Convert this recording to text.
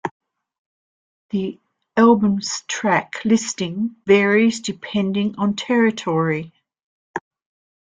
The album's track listing varies depending on territory.